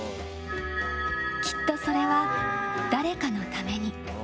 きっとそれは、誰かのために。